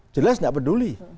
jelas tidak peduli